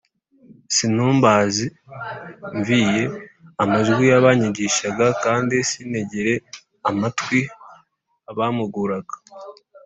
sinumbersmviye amajwi y’abanyigishaga, kandi sintegere amatwi abampuguraga